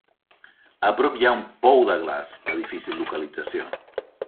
A prop hi ha un pou de glaç, de difícil localització.